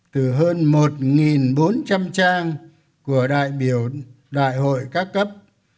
từ hơn một bốn trăm linh trang của đại biểu đại hội các cấp